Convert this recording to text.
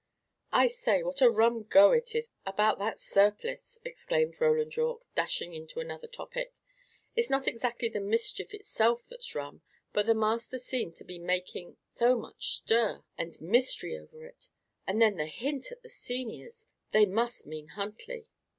"I say, what a rum go it is about that surplice!" exclaimed Roland Yorke, dashing into another topic. "It's not exactly the mischief itself that's rum, but the master seem to be making so much stir and mystery over it! And then the hint at the seniors! They must mean Huntley."